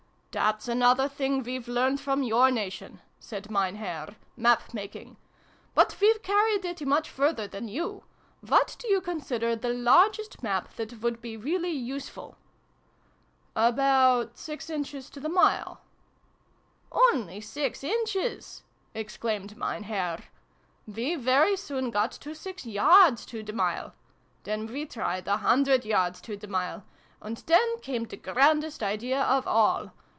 " That's another thing we've learned from your Nation," said Mein Herr, " map making. But we've carried it much further than you. What do you consider the largest map that would be really useful ?"" About six inches to the mile. '" Only six inches !" exclaimed Mein Herr. " We very soon got to six yards to the mile. Then we tried a hundred yards to the mile. And then came the grandest idea of all